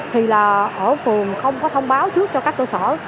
thì là ở phường không có thông báo trước cho các cơ sở